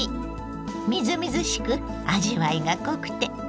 みずみずしく味わいが濃くて栄養も満点！